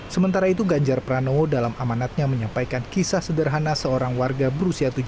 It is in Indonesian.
sementara itu ganjar pranowo dalam amanatnya menyampaikan kisah sederhana seorang warga berusia